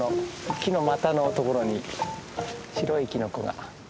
木の股のところに白いキノコが。